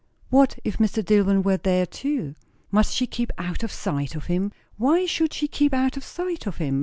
What if Mr. Dillwyn were there too? Must she keep out of sight of him? Why should she keep out of sight of him?